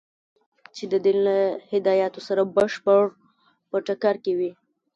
چې د دین له هدایاتو سره بشپړ په ټکر کې وي.